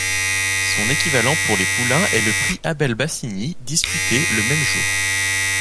Son équivalent pour les poulains est le Prix Abel Bassigny disputé le même jour.